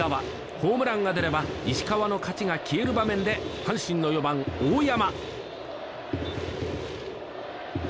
ホームランが出れば石川の勝ちが消える場面で阪神の４番、大山。